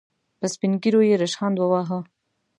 په سپين ږيرو يې ريشخند وواهه.